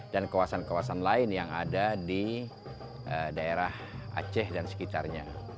dan kawasan kawasan lain yang ada di daerah aceh dan sekitarnya